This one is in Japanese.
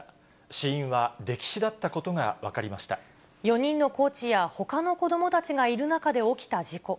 死因は溺死だったことが分かりま４人のコーチや、ほかの子どもたちがいる中で起きた事故。